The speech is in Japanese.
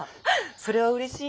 それはうれしいな。